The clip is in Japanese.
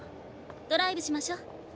ドライブしましょ。